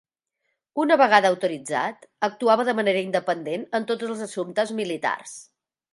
Una vegada autoritzat, actuava de manera independent en tots els assumptes militars.